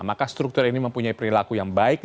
maka struktur ini mempunyai perilaku yang baik